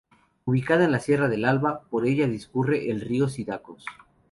Ubicada en la Sierra del Alba, por ella discurre el río Cidacos.